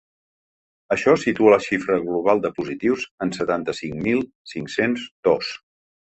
Això situa la xifra global de positius en setanta-cinc mil cinc-cents dos.